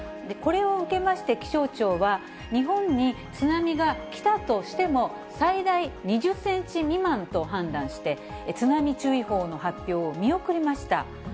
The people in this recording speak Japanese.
これを受けまして気象庁は、日本に津波が来たとしても、最大２０センチ未満と判断して、津波注意報の発表を見送りました。